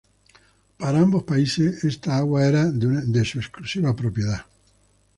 Para ambos países esta agua eran de su exclusiva propiedad.